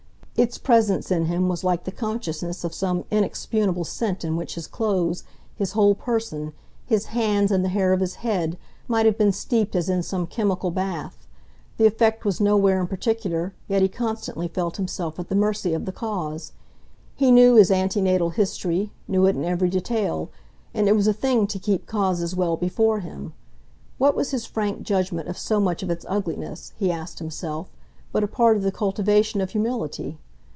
Its presence in him was like the consciousness of some inexpugnable scent in which his clothes, his whole person, his hands and the hair of his head, might have been steeped as in some chemical bath: the effect was nowhere in particular, yet he constantly felt himself at the mercy of the cause. He knew his antenatal history, knew it in every detail, and it was a thing to keep causes well before him. What was his frank judgment of so much of its ugliness, he asked himself, but a part of the cultivation of humility?